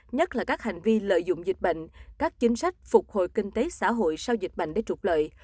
nhất là các hành vi lợi dụng dịch bệnh các chính sách phục hồi kinh tế xã hội sau dịch bệnh để trục lợi